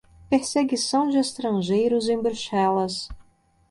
Perseguição de Estrangeiros em Bruxelas